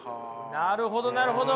なるほどなるほど。